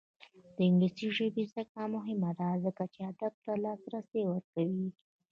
د انګلیسي ژبې زده کړه مهمه ده ځکه چې ادب ته لاسرسی ورکوي.